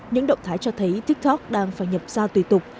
những động thái cho thấy tiktok đang phải nhập ra tùy tục